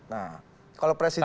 nah kalau presiden